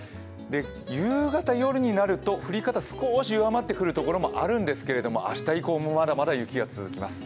夕方、夜になると降り方少し弱まってくるところもあるんですけれども明日以降もまだまだ雪が続きます。